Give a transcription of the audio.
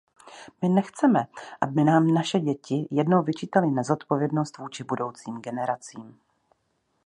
My nechceme, aby nám naše děti jednou vyčítaly nezodpovědnost vůči budoucím generacím.